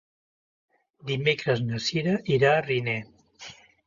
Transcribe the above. Dimecres na Sira irà a Riner.